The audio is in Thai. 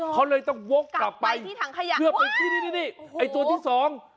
เขาเลยต้องโว๊คกลับไปเพื่อไปที่นี่ตัวที่สอง